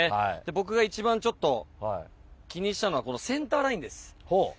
僕が一番気にしたのがセンターラインです。